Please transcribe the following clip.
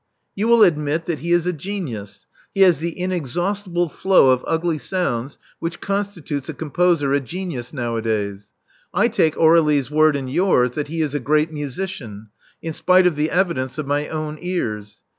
You will admit that he is a genius : he has the inexhaustible flow of ugly sounds which constitutes a composer a genius nowadays. I take Aurdlie's word and yours that he is a great musician, in spite of the evidence of my own ears.